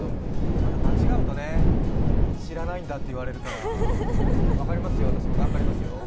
また間違うとね、知らないんだって言われるから分かりますよ、私も頑張りますよ。